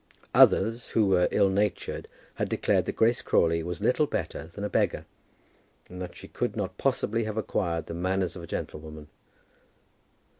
Others, who were ill natured, had declared that Grace Crawley was little better than a beggar, and that she could not possibly have acquired the manners of a gentlewoman.